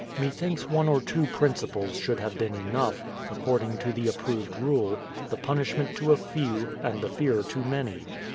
Methinks one or two principals should have been enough, according to the approved rule, — the punishment to a few, and the fear to many.